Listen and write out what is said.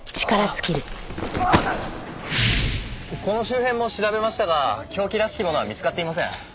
この周辺も調べましたが凶器らしき物は見つかっていません。